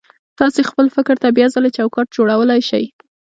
تاسې خپل فکر ته بيا ځلې چوکاټ جوړولای شئ.